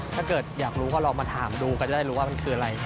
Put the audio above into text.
ถ้าเกิดอยากรู้ก็ลองมาถามดูกันจะได้รู้ว่ามันคืออะไร